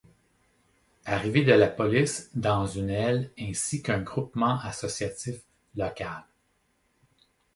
Arrivée de la police dans une aile ainsi qu'un groupement associatif local.